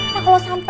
nah kalau sampai